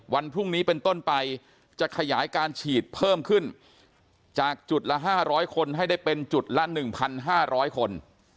วันพรุ่งนี้เป็นต้นไปจะขยายการฉีดเพิ่มขึ้นจากจุดละ๕๐๐คนให้ได้เป็นจุดละ๑๕๐๐คน